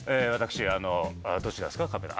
私あのどちらですか？